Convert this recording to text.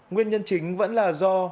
nguyên nhân chính vẫn là do